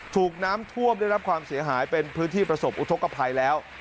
ถูกน้ำท่วมได้รับความเสียหายเป็นพื้นที่ประสบอุทธกภัยแล้ว